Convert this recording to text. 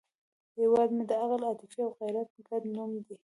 هیواد مې د عقل، عاطفې او غیرت ګډ نوم دی